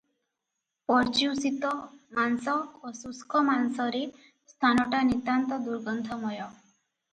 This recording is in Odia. ପର୍ଯ୍ୟୁଷିତ ମାଂସ ଓ ଶୁଷ୍କ ମାଂସରେ ସ୍ଥାନଟା ନିତାନ୍ତ ଦୁର୍ଗନ୍ଧମୟ ।